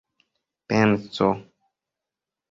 penso